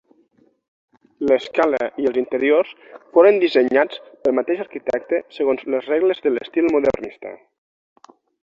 L'escala i els interiors foren dissenyats pel mateix arquitecte segons les regles de l'estil modernista.